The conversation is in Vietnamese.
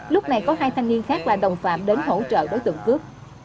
lúc này có hai thanh niên khác là đồng phạm đến hỗ trợ đối tượng cướp